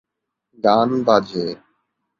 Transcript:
গান বাজে।